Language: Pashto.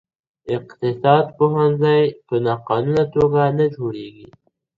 اقتصاد پوهنځۍ په ناقانونه توګه نه جوړیږي.